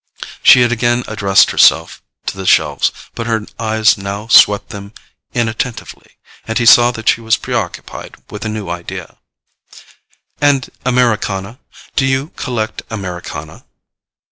She had again addressed herself to the shelves, but her eyes now swept them inattentively, and he saw that she was preoccupied with a new idea. "And Americana—do you collect Americana?"